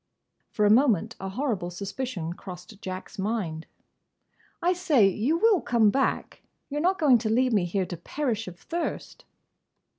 For a moment a horrible suspicion crossed Jack's mind. "I say! You will come back? You 're not going to leave me here to perish of thirst?"